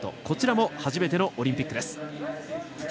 こちらも初めてのオリンピック。